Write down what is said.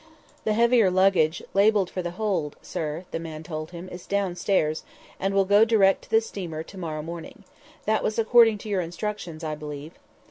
"The heavier luggage, labelled for the hold, sir," the man told him, "is down stairs, and will go direct to the steamer to morrow morning. That was according to your instructions, I believe."